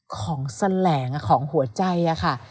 แสลงของหัวใจค่ะ